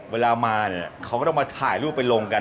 เวลามาเขาก็ต้องมาถ่ายรูปไปลงกัน